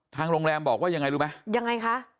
ทางโรงแรมบอกว่ายังไงรู้ไหมยังไงคะ